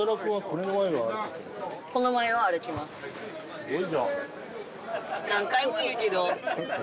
すごいじゃん。